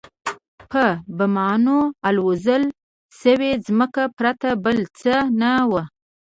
په بمانو الوزول شوې ځمکې پرته بل څه نه وو.